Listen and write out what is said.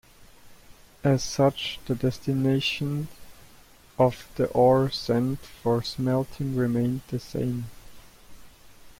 As such, the destination of the ore sent for smelting remained the same.